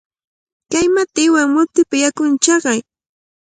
Kay matiwan mutipa yakunta chaqay.